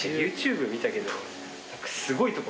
ＹｏｕＴｕｂｅ見たけどすごい所。